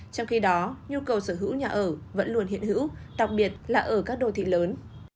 trong khi đó nhu cầu sở hữu nhà ở vẫn luôn hiện hữu đặc biệt là ở các đô thị lớn